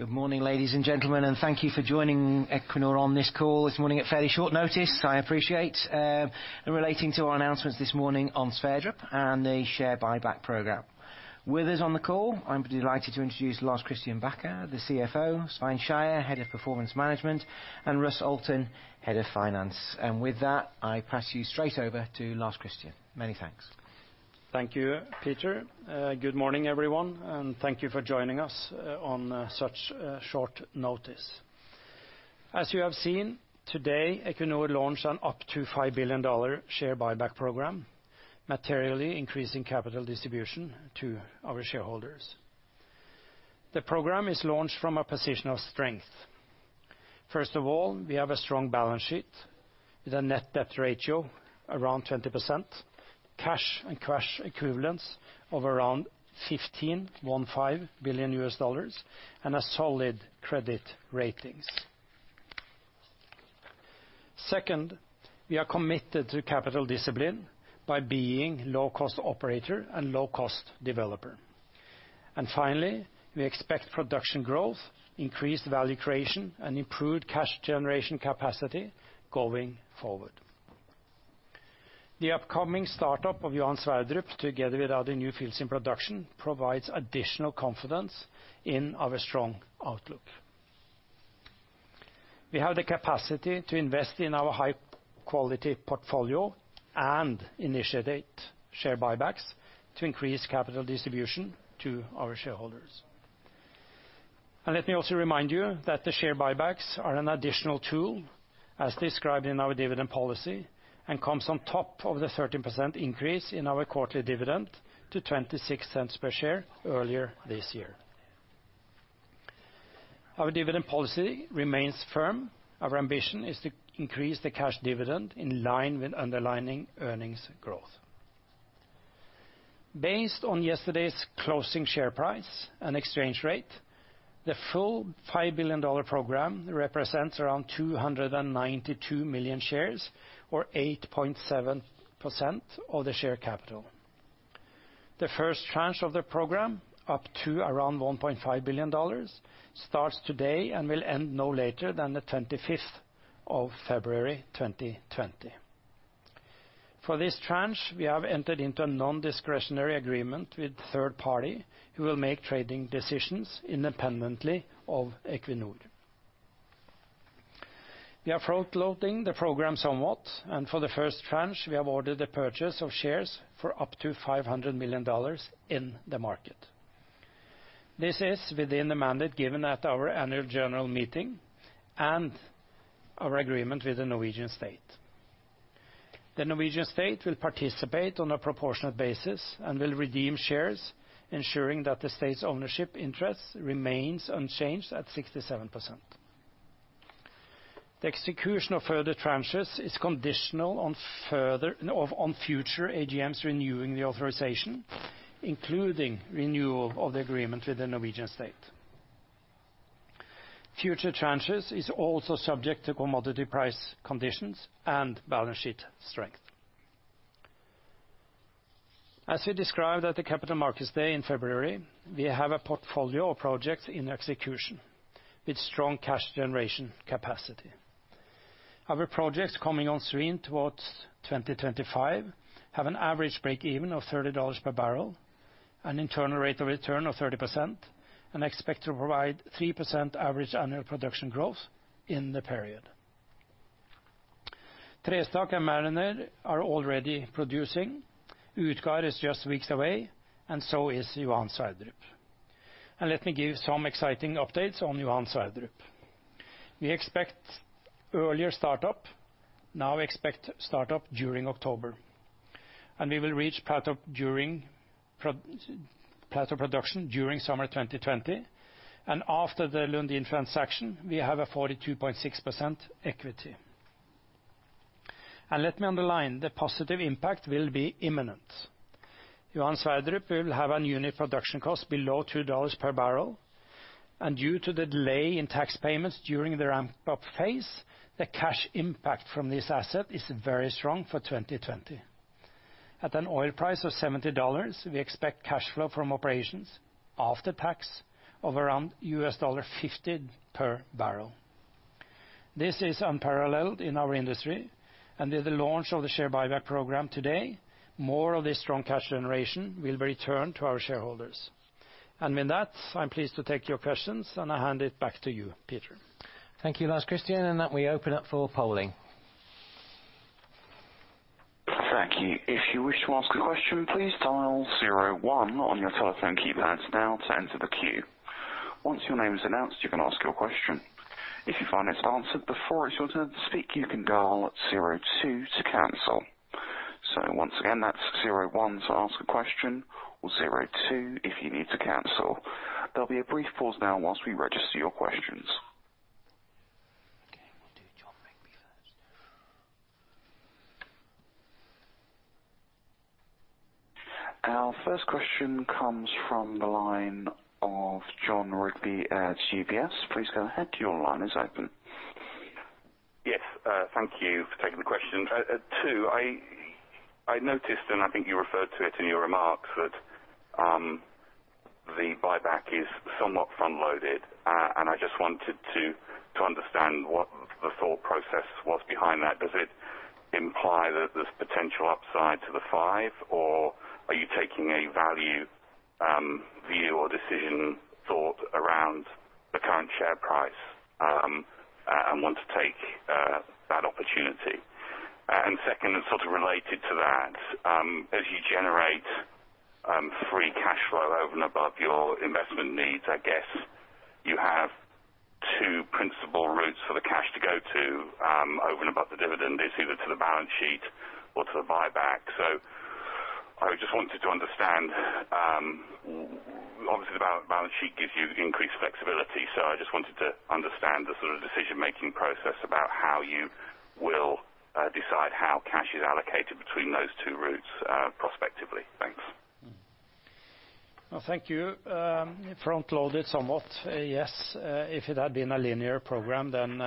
Good morning, ladies and gentlemen, and thank you for joining Equinor on this call this morning at fairly short notice. I appreciate relating to our announcements this morning on Sverdrup and the share buyback program. With us on the call, I'm delighted to introduce Lars Christian Bacher, the CFO, Svein Skeie, Head of Performance Management, and Ørjan Kvelvane, Head of Finance. With that, I pass you straight over to Lars Christian. Many thanks. Thank you, Peter. Good morning, everyone, and thank you for joining us on such short notice. As you have seen, today, Equinor launched an up to $5 billion share buyback program, materially increasing capital distribution to our shareholders. The program is launched from a position of strength. First of all, we have a strong balance sheet with a net debt ratio around 20%, cash and cash equivalents of around $15.15 billion and a solid credit ratings. Second, we are committed to capital discipline by being low cost operator and low cost developer. Finally, we expect production growth, increased value creation, and improved cash generation capacity going forward. The upcoming startup of Johan Sverdrup together with other new fields in production provides additional confidence in our strong outlook. We have the capacity to invest in our high-quality portfolio and initiate share buybacks to increase capital distribution to our shareholders. Let me also remind you that the share buybacks are an additional tool as described in our dividend policy and comes on top of the 13% increase in our quarterly dividend to $0.26 per share earlier this year. Our dividend policy remains firm. Our ambition is to increase the cash dividend in line with underlying earnings growth. Based on yesterday's closing share price and exchange rate, the full $5 billion program represents around 292 million shares or 8.7% of the share capital. The first tranche of the program, up to around $1.5 billion, starts today and will end no later than the 25th of February 2020. For this tranche, we have entered into a non-discretionary agreement with third party who will make trading decisions independently of Equinor. We are front-loading the program somewhat, and for the first tranche, we have ordered the purchase of shares for up to $500 million in the market. This is within the mandate given at our annual general meeting and our agreement with the Norwegian state. The Norwegian state will participate on a proportionate basis and will redeem shares ensuring that the state's ownership interest remains unchanged at 67%. The execution of further tranches is conditional on future AGMs renewing the authorization, including renewal of the agreement with the Norwegian state. Future tranches is also subject to commodity price conditions and balance sheet strength. As we described at the Capital Markets Day in February, we have a portfolio of projects in execution with strong cash generation capacity. Our projects coming on stream towards 2025 have an average break-even of $30 per barrel, an internal rate of return of 30% and expect to provide 3% average annual production growth in the period. Trestakk and Mariner are already producing. Utgard is just weeks away, and so is Johan Sverdrup. Let me give some exciting updates on Johan Sverdrup. We expect earlier start-up. Now we expect start-up during October, and we will reach plateau production during summer 2020. After the Lundin transaction, we have a 42.6% equity. Let me underline the positive impact will be imminent. Johan Sverdrup will have a unit production cost below $2 per barrel, and due to the delay in tax payments during the ramp-up phase, the cash impact from this asset is very strong for 2020. At an oil price of $70, we expect cash flow from operations after tax of around $50 per barrel. This is unparalleled in our industry and with the launch of the share buyback program today, more of this strong cash generation will be returned to our shareholders. With that, I'm pleased to take your questions, and I hand it back to you, Peter. Thank you, Lars Christian. Then we open up for polling. Thank you. If you wish to ask a question, please dial zero one on your telephone keypads now to enter the queue. Once your name is announced, you can ask your question. If you find it's answered before it's your turn to speak, you can dial zero two to cancel. Once again, that's zero one to ask a question or zero two if you need to cancel. There'll be a brief pause now while we register your questions. Okay, we'll do Jonathon Rigby first. Our first question comes from the line of Jonathon Rigby at UBS. Please go ahead. Your line is open. Yes. Thank you for taking the question. I noticed, and I think you referred to it in your remarks, that the buyback is somewhat front-loaded. I just wanted to understand what the thought process was behind that. Does it imply that there's potential upside to the five, or are you taking a value view or decision thought around the current share price, and want to take that opportunity? Second, and sort of related to that, as you generate free cash flow over and above your investment needs, I guess you have two principal routes for the cash to go to over and above the dividend. It's either to the balance sheet or to the buyback. I just wanted to understand, obviously the balance sheet gives you increased flexibility. I just wanted to understand the sort of decision-making process about how you will decide how cash is allocated between those two routes, prospectively. Thanks. Well, thank you. Front-loaded somewhat, yes. If it had been a linear program, then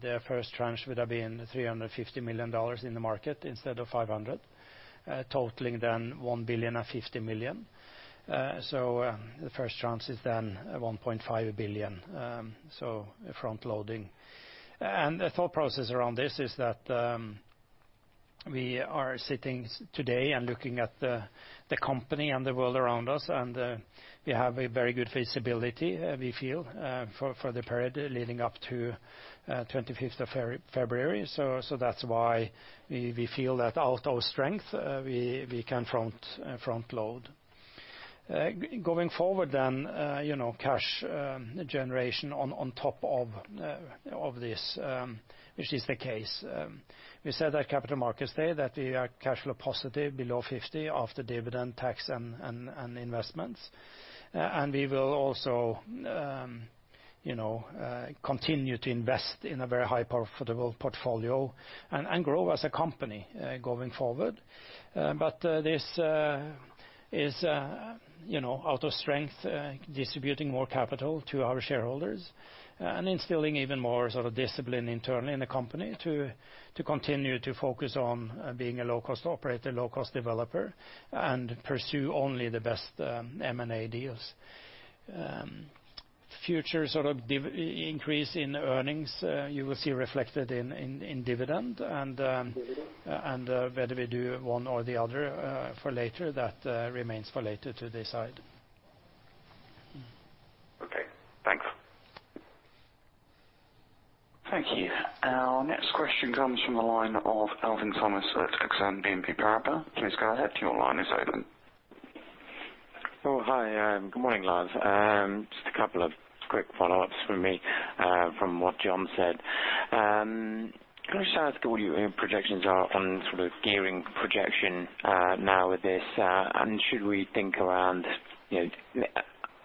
the first tranche would have been $350 million in the market instead of $500 million, totaling then $1.05 billion. So the first tranche is then $1.5 billion. So front-loading. The thought process around this is that we are sitting today and looking at the company and the world around us, and we have a very good visibility we feel for the period leading up to the twenty-fifth of February. That's why we feel that out of strength we can front-load. Going forward, you know, cash generation on top of this, which is the case, we said at Capital Markets Day that we are cash flow positive below 50 after dividend tax and investments. We will also, you know, continue to invest in a very high profitable portfolio and grow as a company, going forward. This is, you know, out of strength, distributing more capital to our shareholders and instilling even more sort of discipline internally in the company to continue to focus on being a low-cost operator, low-cost developer, and pursue only the best M&A deals. Future sort of increase in earnings, you will see reflected in dividend and whether we do one or the other for later. That remains for later to decide. Okay, thanks. Thank you. Our next question comes from the line of Alwyn Thomas at BNP Paribas Exane. Please go ahead. Your line is open. Good morning, guys. Just a couple of quick follow-ups from me, from what Jonathon said. Can I just ask what your projections are on sort of gearing projection, now with this? And should we think around, you know?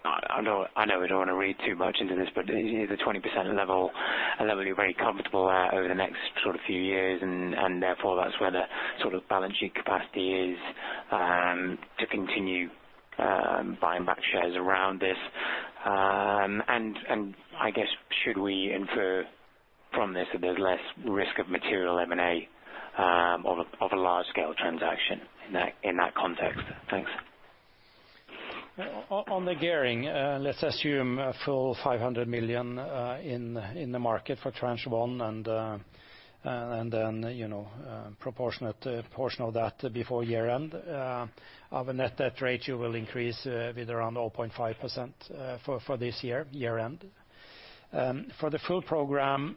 I know we don't want to read too much into this, but is it a 20% level, a level you're very comfortable at over the next sort of few years, and therefore that's where the sort of balance sheet capacity is, to continue buying back shares around this? And I guess should we infer from this that there's less risk of material M&A, of a large-scale transaction in that context? Thanks. On the gearing, let's assume a full $500 million in the market for tranche one and then, you know, proportionate portion of that before year-end. Our net debt ratio will increase with around 0.5% for this year-end. For the full program,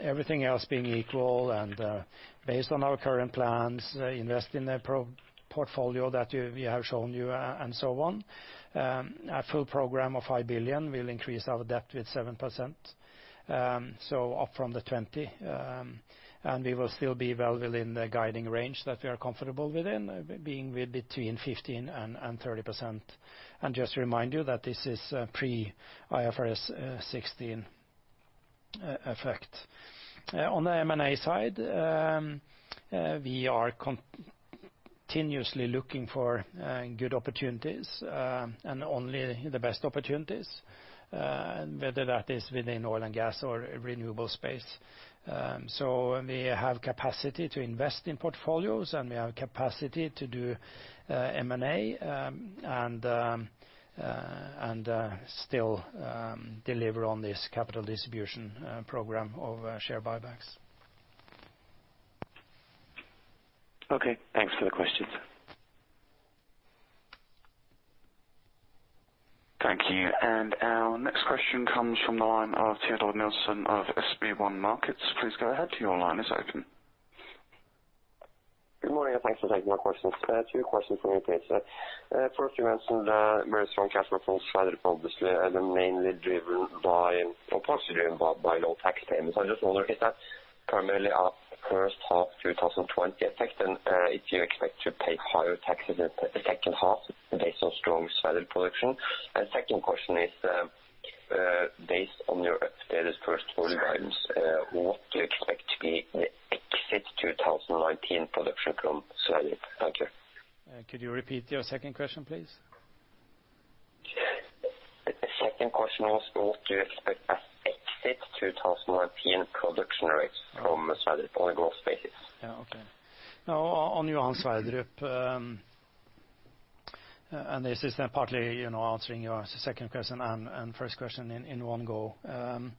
everything else being equal and based on our current plans, invest in the project portfolio that we have shown you and so on, a full program of $5 billion will increase our debt with 7%, so up from the 20%. We will still be well within the guiding range that we are comfortable with, being between 15% and 30%. Just to remind you that this is pre-IFRS 16 effect. On the M&A side, we are continuously looking for good opportunities, and only the best opportunities, whether that is within oil and gas or renewable space. We have capacity to invest in portfolios, and we have capacity to do M&A and still deliver on this capital distribution program of share buybacks. Okay, thanks for the questions. Thank you. Our next question comes from the line of Teodor Sveen-Nilsen of SB1 Markets. Please go ahead. Your line is open. Good morning, and thanks for taking my questions. Two questions from me, please. First, you mentioned very strong cash flows from Sverdrup, obviously, and mainly driven by, or partially driven by low tax payments. I just wonder, is that primarily a first half 2020 effect and, if you expect to pay higher taxes in the second half based on strong Sverdrup production? Second question is, based on your updated first quarter guidance, what do you expect to be the exit 2019 production from Sverdrup? Thank you. Could you repeat your second question, please? The second question was, what do you expect as exit 2019 production rates from Sverdrup on a gross basis? Yeah. Okay. Now on Johan Sverdrup, and this is partly, you know, answering your second question and first question in one go. When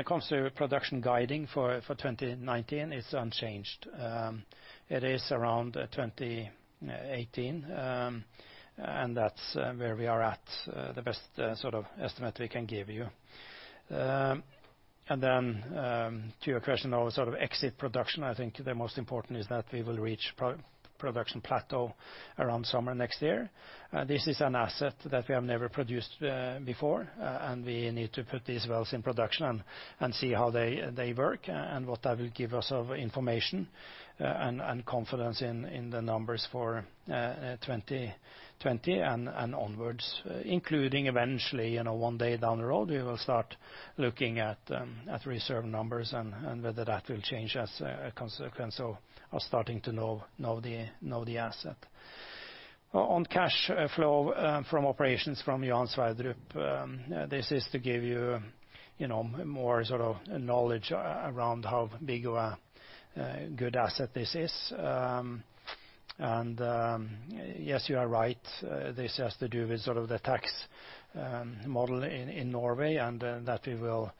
it comes to production guidance for 2019, it's unchanged. It is around 2018, and that's where we are at, the best sort of estimate we can give you. To your question of sort of exit production, I think the most important is that we will reach production plateau around summer next year. This is an asset that we have never produced before, and we need to put these wells in production and see how they work and what that will give us of information, and confidence in the numbers for 2020 and onwards, including eventually, you know, one day down the road, we will start looking at reserve numbers and whether that will change as a consequence of starting to know the asset. On cash flow from operations from Johan Sverdrup, this is to give you know, more sort of knowledge around how big of a good asset this is. Yes, you are right. This has to do with sort of the tax model in Norway, and that we will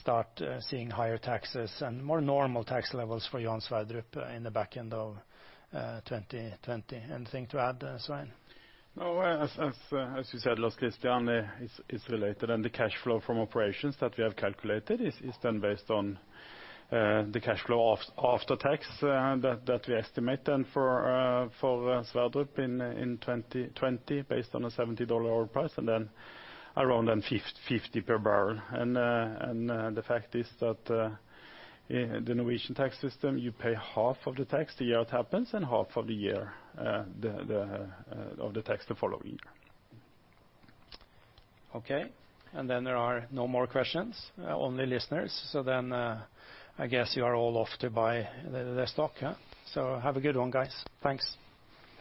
start seeing higher taxes and more normal tax levels for Johan Sverdrup in the back end of 2020. Anything to add, Svein? No. As you said, Lars Christian, it's related. The cash flow from operations that we have calculated is then based on the cash flow of the tax that we estimate then for Sverdrup in 2020, based on a $70 oil price and then around $50 per barrel. The fact is that in the Norwegian tax system, you pay half of the tax the year it happens and half of the tax the following year. Okay. There are no more questions, only listeners. I guess you are all off to buy the stock, huh? Have a good one, guys. Thanks.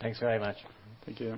Thanks very much. Thank you.